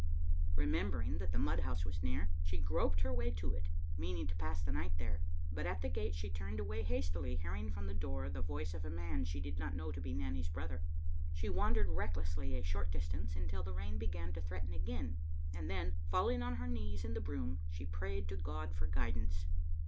Remembering that the mudhouse was near, she Digitized by VjOOQ IC JSabbie and Aaraaret 881 groped her way to it, meaning to pass the night there; but at the gate she turned away hastily, hearing from the door the voice of a man she did not know to be Nanny's brother. She wandered recklessly a short dis tance, until the rain began to threaten again, and then, falling on her knees in the broom, she prayed to God for guidance.